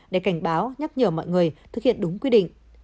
để cảnh báo nhắc nhở mọi người thực hiện đúng quy định